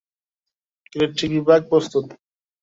Electric বিভাগ, প্রস্তুত।